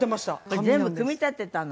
これ全部組み立てたの？